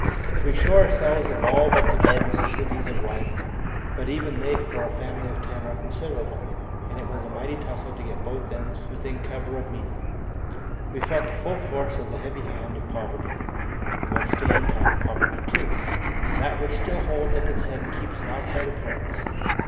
We shore ourselves of all but the bare necessaries of life, but even they for a family of ten are considerable, and it was a mighty tussle to get both ends within cover of meeting. We felt the full force of the heavy hand of poverty the most stinging kind of poverty too, that which still holds up its head and keeps an outside appearance.